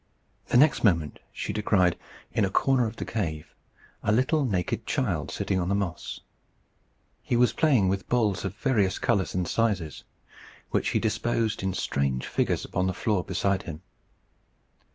The next moment she descried, in a corner of the cave, a little naked child sitting on the moss. He was playing with balls of various colours and sizes, which he disposed in strange figures upon the floor beside him.